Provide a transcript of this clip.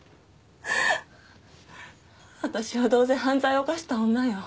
私はどうせ犯罪を犯した女よ